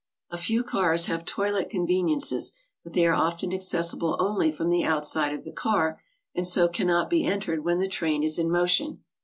A few cars have toilet conveniences, but they are often accessible only from the outside of the car, and so cannot be entered when the train is in motion.